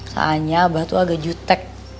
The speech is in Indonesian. soalnya abah itu agak jutek